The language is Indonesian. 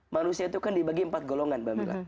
manusia itu kan dibagi empat golongan